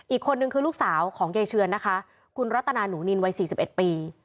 อีกคนนึงคือลูกสาวของยายเชือนนะคะคุณรัตนาหนูนินวัย๔๑ปี